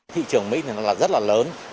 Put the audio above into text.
thị trường mỹ này nó là rất là lớn